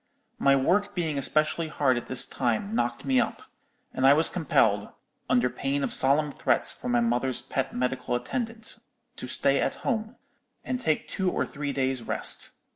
My work being especially hard at this time knocked me up; and I was compelled, under pain of solemn threats from my mother's pet medical attendant, to stay at home, and take two or three days' rest.